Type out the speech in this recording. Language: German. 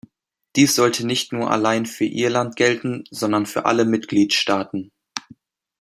Dies sollte nicht nur allein für Irland gelten, sondern für alle Mitgliedstaaten.